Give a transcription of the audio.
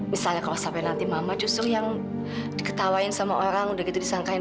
misalnya kalau sampai nanti mama justru yang diketawain sama orang udah gitu disangkain